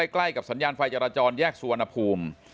ใกล้กับสัญญาณไฟจราจรแยกสุวรรณภูมิ